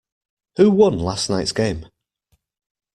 Who won last night's game?